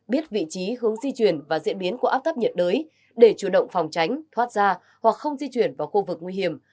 biết vị trí hướng di chuyển và diễn biến của áp thấp nhiệt đới để chủ động phòng tránh thoát ra hoặc không di chuyển vào khu vực nguy hiểm